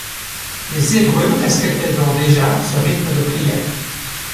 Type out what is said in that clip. Les Hébreux respectaient donc déjà ce rythme de prière.